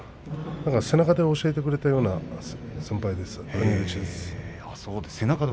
背中で教えてくれたような先輩です。